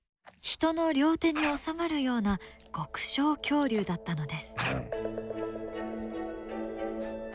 人の両手に収まるような極小恐竜だったのです。